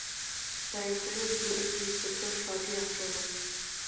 The referee blew his whistle shortly afterwards.